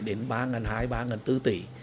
đến ba ngân hai ba ngân bốn tỷ